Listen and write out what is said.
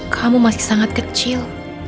kamu masih sangat kecil